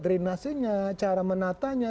drenasinya cara menatanya